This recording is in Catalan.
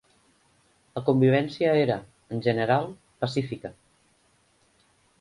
La convivència era, en general, pacífica.